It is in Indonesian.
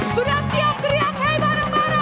sudah siap teriak hey bareng bareng